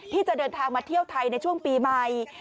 ที่จะเดินทางมาเที่ยวไทยในช่วงปีใหม่